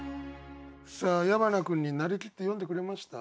さあ矢花君に成りきって詠んでくれました？